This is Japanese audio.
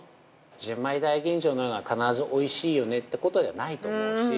純米大吟醸のほうが必ずおいしいよねってことじゃないと思うし。